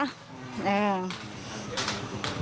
แหละ